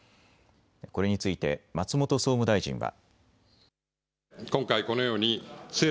これについて松本総務大臣は。